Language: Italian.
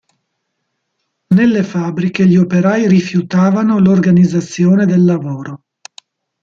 Nelle fabbriche gli operai rifiutavano l'organizzazione del lavoro.